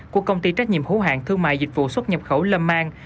của công ty trách nhiệm hữu hạng thương mại dịch vụ xuất nhập khẩu lâm an